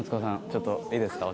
ちょっといいですか？